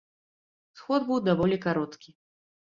Сход быў даволі кароткі.